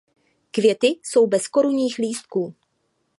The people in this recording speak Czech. Květy jsou bez korunních lístků.